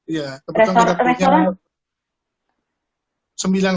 iya tebetan berarti yang